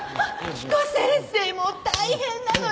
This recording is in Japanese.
彦先生もう大変なのよ！